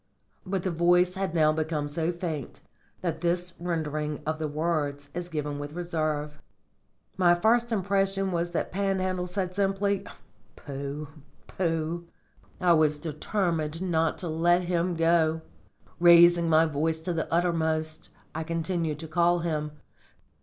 But the voice had now become so faint that this rendering of the words is given with reserve. My first impression was that Panhandle said simply, "Pooh, pooh!" I was determined not to let him go. Raising my voice to the uttermost, I continued to call him.